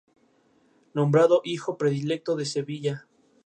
Estos materiales permiten colocarlos al aire libre o en un lugar cerrado.